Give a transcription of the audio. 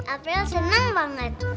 april seneng banget